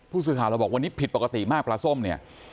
ผู้สื่อข่าวเราบอกวันนี้ผิดปกติมากปลาส้มเนี่ย